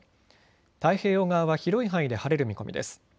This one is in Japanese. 太平洋側は広い範囲で晴れる見込みです。